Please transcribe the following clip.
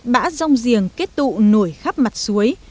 bã rong giềng kết tụ nổi khắp mặt suối